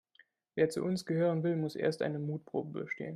Wer zu uns gehören will, muss erst eine Mutprobe bestehen.